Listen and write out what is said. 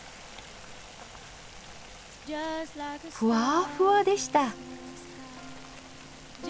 ふわふわでした。